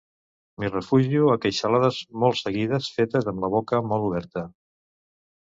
M'hi refugio a queixalades molt seguides fetes amb la boca molt oberta.